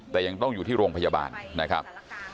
แต่ยังต้องอยู่ที่โรงพยาบาลนะครับ